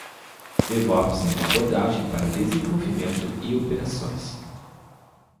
DevOps é uma abordagem para desenvolvimento e operações.